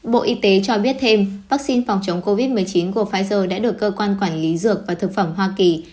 bộ y tế cho biết thêm vaccine phòng chống covid một mươi chín của pfizer đã được cơ quan quản lý dược và thực phẩm hoa kỳ